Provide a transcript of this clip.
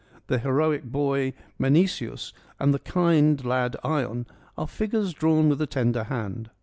The heroic boy Menceceus and the kind lad Ion are figures drawn with a tender hand.